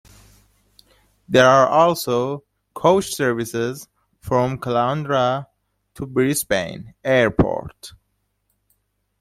There are also coach services from Caloundra to Brisbane Airport.